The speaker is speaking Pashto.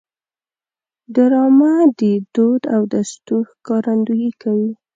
ډرامه د دود او دستور ښکارندویي کوي